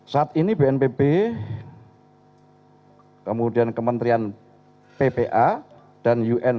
saat ini bnpb kemudian kementerian ppa